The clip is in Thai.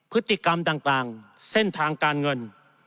พฤติกรรมต่างเส้นทางการเงิน